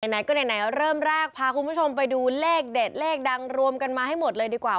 ไหนก็ไหนเริ่มแรกพาคุณผู้ชมไปดูเลขเด็ดเลขดังรวมกันมาให้หมดเลยดีกว่า